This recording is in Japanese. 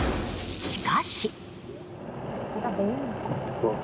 しかし。